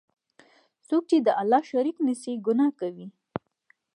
څوک چی د الله شریک نیسي، ګناه کوي.